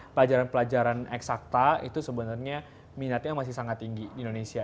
pelajaran pelajaran eksakta itu sebenarnya minatnya masih sangat tinggi di indonesia